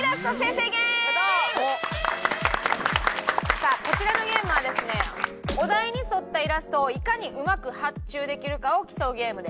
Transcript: さあこちらのゲームはですねお題に沿ったイラストをいかにうまく発注できるかを競うゲームです。